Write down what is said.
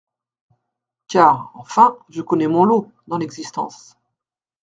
Car, enfin, je connais mon lot, dans l'existence.